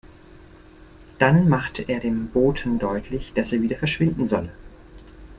Dann machte er dem Boten deutlich, dass er wieder verschwinden solle.